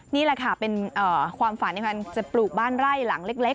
นี่แหละค่ะเป็นความฝันในการจะปลูกบ้านไร่หลังเล็ก